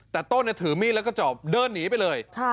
แต่ต้นถือมีดแล้วก็จอบเดินหนีไปเลย